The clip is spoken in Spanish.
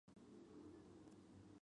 Tiene pequeños agujeros.